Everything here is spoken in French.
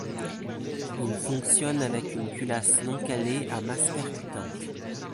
Il fonctionne avec une culasse non calée à masse percutante.